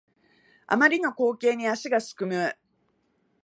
あまりの光景に足がすくむ